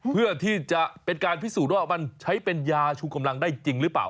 เพื่อที่จะเป็นการพิสูจน์ว่ามันใช้เป็นยาชูกำลังได้จริงหรือเปล่า